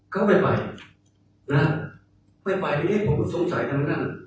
เขาไม่ไปนะครับไม่ไปเลยผมก็สงสัยทั้งนั้น